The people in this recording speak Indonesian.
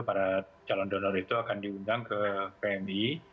para calon donor itu akan diundang ke pmi